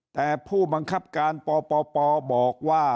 แต่ผู้บังคับการปปบอกว่า